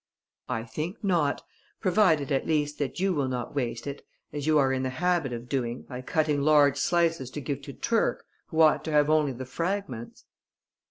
"I think not, provided at least that you will not waste it as you are in the habit of doing, by cutting large slices to give to Turc, who ought to have only the fragments."